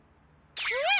えっ！